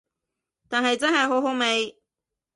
但係真係好好味